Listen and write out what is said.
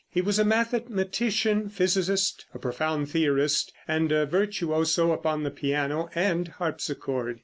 He was a mathematician, physicist, a profound theorist, and a virtuoso upon the piano and harpsichord.